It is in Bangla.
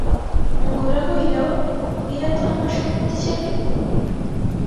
গোরা কহিল, বিনয় তো আমার সম্মতি চায় নি।